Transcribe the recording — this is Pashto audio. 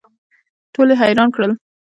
ټول یې حیران کړل.